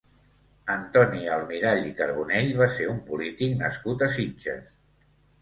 Antoni Almirall i Carbonell va ser un polític nascut a Sitges.